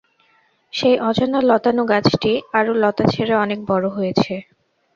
সেই অজানা লতানো গাছটি আরো লতা ছেড়ে অনেক বড় হয়েছে।